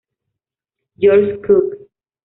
George Cooke.